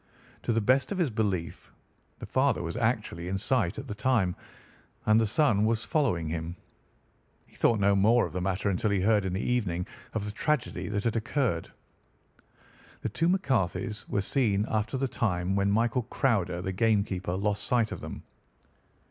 To the best of his belief, the father was actually in sight at the time, and the son was following him. He thought no more of the matter until he heard in the evening of the tragedy that had occurred. "The two McCarthys were seen after the time when William Crowder, the game keeper, lost sight of them.